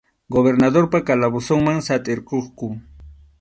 Gobernadorpa calabozonman satʼirquqku.